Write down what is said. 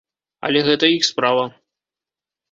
Але гэта іх справа.